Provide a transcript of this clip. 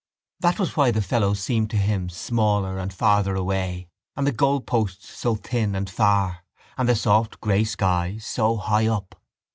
That was why the fellows seemed to him smaller and farther away and the goalposts so thin and far and the soft grey sky so high up.